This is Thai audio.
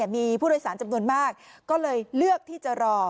มีผู้โดยสารจำนวนมากก็เลยเลือกที่จะรอ